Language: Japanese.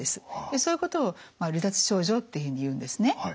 そういうことを離脱症状っていうふうにいうんですね。